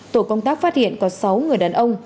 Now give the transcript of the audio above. tổ công tác phát hiện có sáu người đàn ông